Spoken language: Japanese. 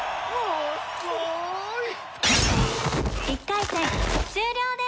１回戦終了です！